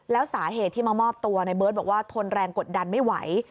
แล้วสาเหตุที่มามอบตัวในเบิร์ตบอกว่าทนแรงกดดันไม่ไหว